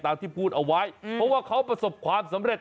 ที่พูดเอาไว้เพราะว่าเขาประสบความสำเร็จ